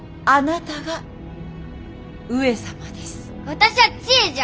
私は千恵じゃ。